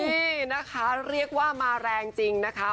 นี่นะคะเรียกว่ามาแรงจริงนะคะ